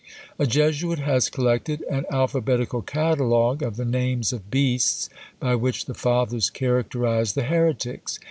A Jesuit has collected "An Alphabetical Catalogue of the Names of Beasts by which the Fathers characterised the Heretics!"